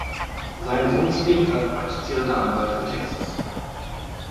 Sein Sohn ist ebenfalls praktizierender Anwalt in Texas.